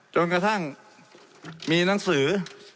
จนกระทั่งมีหนังสือ